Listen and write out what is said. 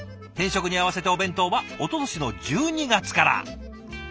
転職に合わせてお弁当はおととしの１２月から。